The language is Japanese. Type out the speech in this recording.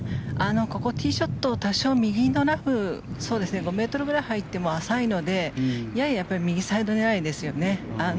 ここ、ティーショットを多少、右のラフ５ｍぐらい入っても浅いのでやや右サイド狙いですよね。